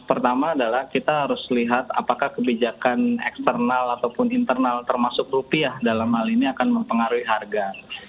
pertama adalah kita harus lihat apakah kebijakan eksternal ataupun internal termasuk rupiah dalam hal ini akan mempengaruhi harga